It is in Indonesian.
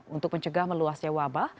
untuk mencegah meluasnya wabah